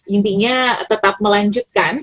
intinya tetap melanjutkan